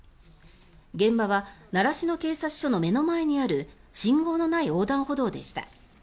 現場は習志野警察署の目の前にある信号のない横断歩道でした。